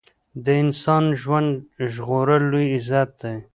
د انسان ژوند ژغورل لوی عزت دی.